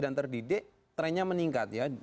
dan terdidik trennya meningkat ya